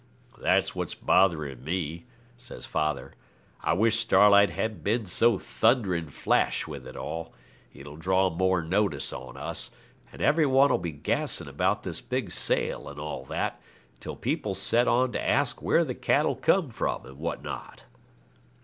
'That's what's botherin' me,' says father. 'I wish Starlight hadn't been so thundering flash with it all. It'll draw more notice on us, and every one 'll be gassin' about this big sale, and all that, till people's set on to ask where the cattle come from, and what not.'